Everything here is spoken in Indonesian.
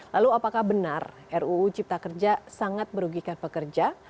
lalu apakah benar ruu cipta kerja sangat merugikan pekerja